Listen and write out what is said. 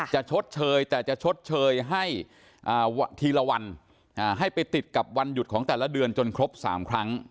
ชดเชยแต่จะชดเชยให้ทีละวันให้ไปติดกับวันหยุดของแต่ละเดือนจนครบ๓ครั้ง